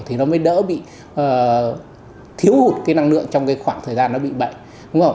thì nó mới đỡ bị thiếu hụt năng lượng trong khoảng thời gian nó bị bệnh